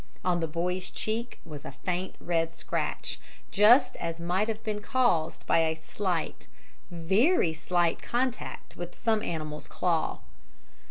On the boy's cheek was a faint red scratch, just as might have been caused by a slight, very slight contact with some animal's claw.